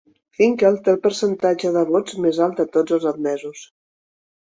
Finkel té el percentatge de vots més alt de tots els admesos.